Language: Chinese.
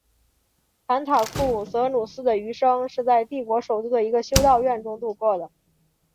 坎塔库泽努斯的余生是在帝国首都的一个修道院中度过的。